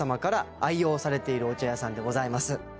愛用されているお茶屋さんでございます